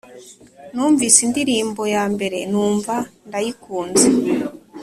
Numvise indirimbo yambere numva ndayikunze